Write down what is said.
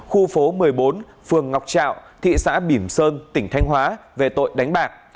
khu phố một mươi bốn phường ngọc trạo thị xã bỉm sơn tỉnh thanh hóa về tội đánh bạc